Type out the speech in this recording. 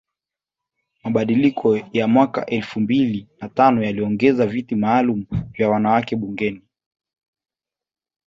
Mabadiliko ya mwaka elfu mbili na tano yaliongeza viti maalum vya wanawake bungeni